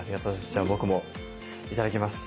じゃあ僕もいただきます。